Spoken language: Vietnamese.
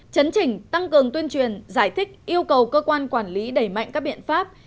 chấn chỉnh tăng cường tuyên truyền giải thích yêu cầu cơ quan quản lý đẩy mạnh các biện pháp